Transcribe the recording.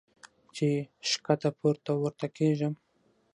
چې ښکته پورته ورته کېږم -